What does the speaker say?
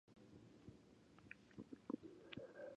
This kept the moisture in the container.